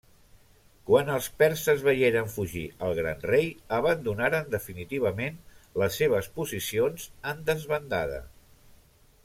Quan els perses veieren fugir al Gran Rei, abandonaren definitivament les seves posicions en desbandada.